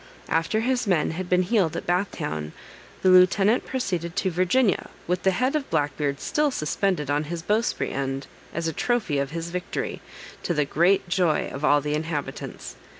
After his men had been healed at Bath town, the lieutenant proceeded to Virginia, with the head of Black Beard still suspended on his bowsprit end, as a trophy of his victory, to the great joy of all the inhabitants.